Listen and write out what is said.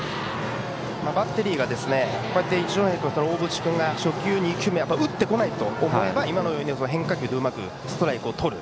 バッテリーが一ノ戸君、大渕君が初球、２球目を打ってこないと思えば今のように変化球でうまくストライクをとる。